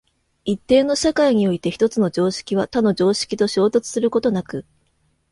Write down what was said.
一定の社会において一つの常識は他の常識と衝突することなく、